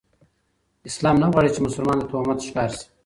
اسلام نه غواړي، چي مسلمان د تهمت ښکار سي؛